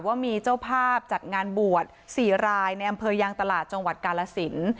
ว่ามีเจ้าภาพจัดงานบวช๔รายในอำเภอยางตลาดจังหวัดกาลสิน